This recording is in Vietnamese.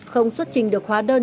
không xuất trình được hóa đơn